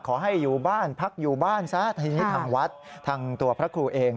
ขอให้อยู่บ้านพักอยู่บ้านซะทีนี้ทางวัดทางตัวพระครูเอง